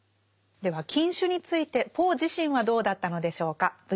では禁酒についてポー自身はどうだったのでしょうか。